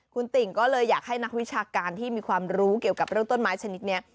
คุณติ่งก็เลยอยากให้นักวิชาการที่มีความรู้เกี่ยวกับเรื่องต้นไม้ชนิดนี้